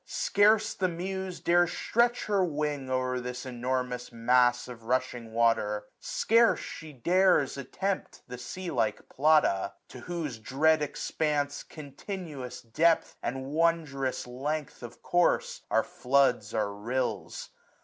Scarce the Muse 840 Dares stretch her wing o'er this enormous mas3 Of rushing water , scarce she dares attempt The sea like Plata ; to whose dread expanse. Continuous depth, and wondrous length of course. Our floods are rills.